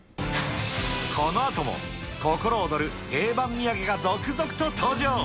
このあとも心躍る定番土産が続々と登場。